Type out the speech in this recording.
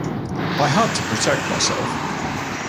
I had to protect myself.